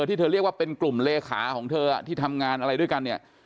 ที่เธอเรียกว่าเป็นกลุ่มเลขาของเธอที่ทำงานอะไรด้วยกันเนี่ย